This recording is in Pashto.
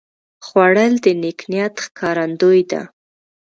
خوړل د نیک نیت ښکارندویي ده